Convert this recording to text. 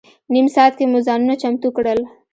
نیم ساعت کې مو ځانونه چمتو کړل.